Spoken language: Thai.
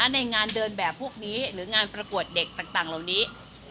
ในงานเดินแบบพวกนี้หรืองานประกวดเด็กต่างเหล่านี้